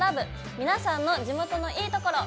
皆さんの地元のいいところ。